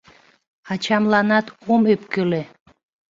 Ачамланат ом ӧпкеле